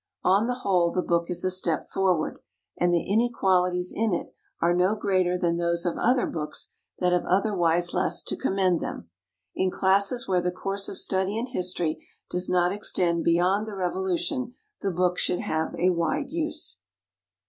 On the whole, the book is a step forward, and the inequalities in it are no greater than those of other books that have otherwise less to commend them. In classes where the course of study in history does not extend beyond the Revolution, the book should have a wide use.